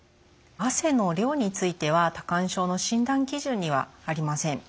汗の量については多汗症の診断基準にはありません。